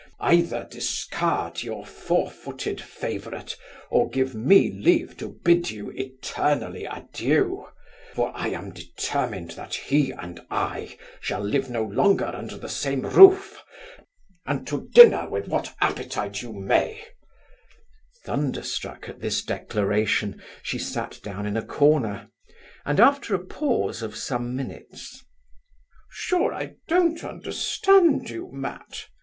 Either discard your four footed favourite, or give me leave to bid you eternally adieu For I am determined that he and I shall live no longer under the same roof; and to dinner with what appetite you may' Thunderstruck at this declaration, she sat down in a corner; and, after a pause of some minutes, 'Sure I don't understand you, Matt!